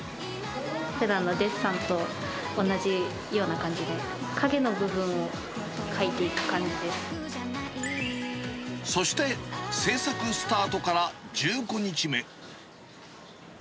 ふだんのデッサンと同じような感じで、そして、制作スタートから１５日目。